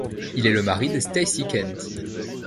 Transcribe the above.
Il est le mari de Stacey Kent.